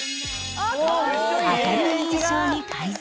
明るい印象に改善